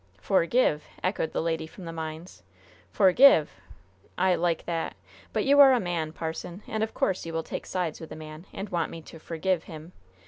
"'Forgive!'" echoed the lady from the mines. "'Forgive!' I like that; but you are a man, parson, and of course you will take sides with a man, and want me to 'forgive' him.